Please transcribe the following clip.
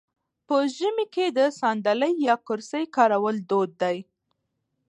په ژمي کې د ساندلۍ یا کرسۍ کارول دود دی.